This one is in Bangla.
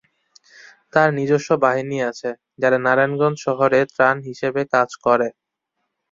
তাঁর নিজস্ব বাহিনী আছে, যারা নারায়ণগঞ্জ শহরে ত্রাস হিসেবে কাজ করে।